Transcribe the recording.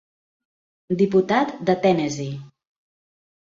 Diputat de Tennessee.